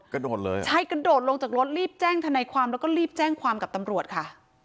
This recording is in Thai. กระโดดเลยอ่ะใช่กระโดดลงจากรถรีบแจ้งธนายความแล้วก็รีบแจ้งความกับตำรวจค่ะ